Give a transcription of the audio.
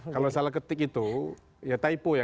kalau salah ketik itu ya typo ya